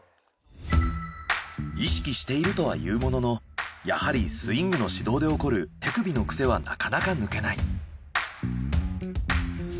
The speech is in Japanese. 意識しているとはいうもののやはりスイングの始動で起こる手首の癖はなかなか抜けない。